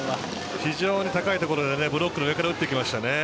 非常に高いところでブロックの上から打っていきましたね。